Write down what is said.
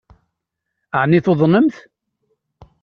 Ɛni tuḍnemt?